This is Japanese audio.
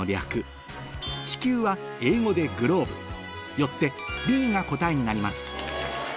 よってＢが答えになります